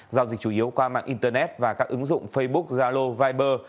giao dịch chủ yếu qua mạng internet và các ứng dụng facebook zalo viber